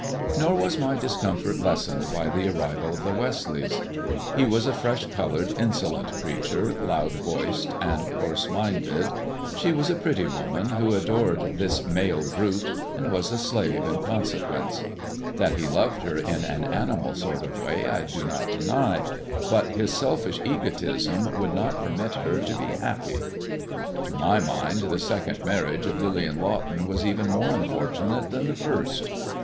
Nor was my discomfort lessened by the arrival of the Westleighs. He was a fresh coloured, insolent creature, loud voiced and coarse minded; she a pretty woman who adored this male brute, and was a slave in consequence. That he loved her in an animal sort of way I do not deny, but his selfish egotism would not permit her to be happy. 204 THE DEAD MAN'S DIAMONDS To my mind the second marriage of Lillian Lawton was even more unfortunate than the first.